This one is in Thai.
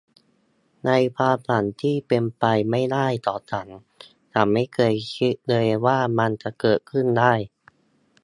ในความฝันที่เป็นไปไม่ได้ของฉัน ฉันไม่เคยคิดเลยว่ามันจะเกิดขึ้นได้